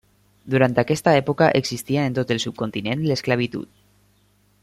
Durant aquesta època existia en tot el subcontinent l'esclavitud.